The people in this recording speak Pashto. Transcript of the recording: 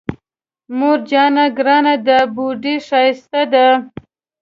مور جانه ګرانه ده بوډۍ ښايسته ده